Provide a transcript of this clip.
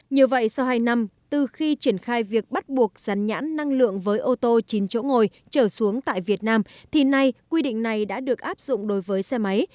như vậy sau hai năm từ khi triển khai việc bắt buộc rắn nhãn năng lượng với ô tô chín chỗ ngồi trở xuống tại việt nam thì nay quy định này đã được áp dụng đối với xe máy